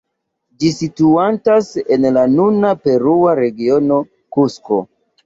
Ĝi situantas en la nuna perua regiono Kusko.